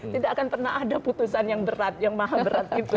tidak akan pernah ada putusan yang berat yang maha berat itu